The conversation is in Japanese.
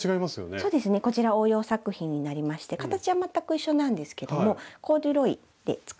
そうですねこちら応用作品になりまして形は全く一緒なんですけどもコーデュロイで作っています。